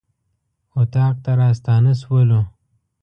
اطاق ته راستانه شولو.